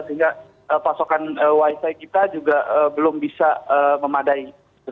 sehingga pasokan wifi kita juga belum bisa memadai